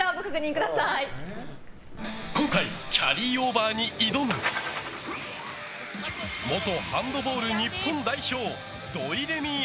今回キャリーオーバーに挑む元ハンドボール日本代表土井レミイ